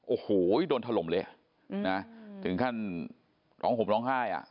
โอ้โหโดนถล่มเลยถึงท่านร้องห่มร้องไห้